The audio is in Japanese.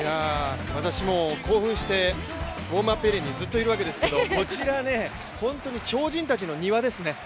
私、もう興奮して、ウォームアップエリアにずっといるわけですけど、こちら本当に超人たちの庭ですね。